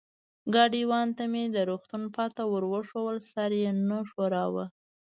ګاډیوان ته مې د روغتون پته ور وښوول، سر یې و ښوراوه.